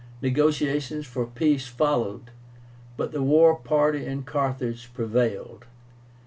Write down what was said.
Negotiations for peace followed, but the war party in Carthage prevailed.